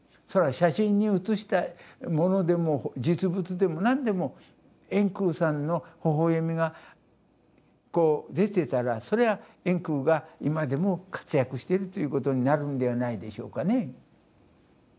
それは写真に写したものでも実物でも何でも円空さんのほほえみがこう出てたらそれは円空が今でも活躍してるということになるんではないでしょうかね。